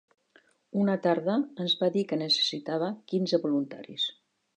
Una tarda, ens va dir que necessitava quinze voluntaris